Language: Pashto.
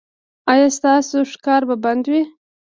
ایا ستاسو ښکار به بند وي؟